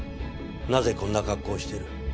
なぜこんな格好をしてる？